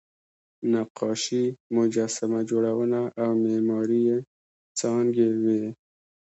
نقاشي، مجسمه جوړونه او معماري یې څانګې وې.